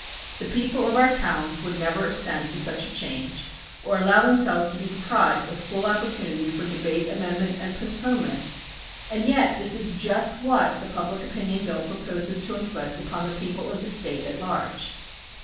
The people of our towns would never assent to such a change or allow themselves to be deprived of full opportunity THE PUBLIC OPINION BILL 13 for debate, amendment, and postponement, and yet that is just what the Public Opinion Bill proposes to inflict upon the people of the State at large.